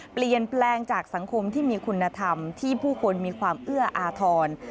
เปลี่ยนแปลงจากสังคมที่มีคุณธรรมที่ผู้คนมีความเอื้ออาทร